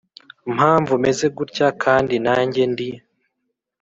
mpamvu meze gutya, kandi nanjye ndi.